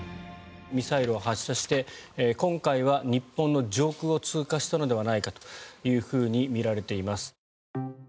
ミサイルを発射して今回は日本の上空を通過したのではないかというふうにみられています。